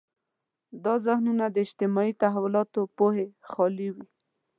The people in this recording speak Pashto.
دا ذهنونه د اجتماعي تحولاتو پوهې خالي وي.